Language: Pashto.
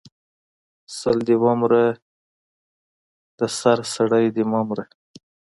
سل دی ومره د سر سړی د مه مره